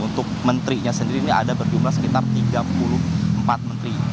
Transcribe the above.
untuk menterinya sendiri ini ada berjumlah sekitar tiga puluh empat menteri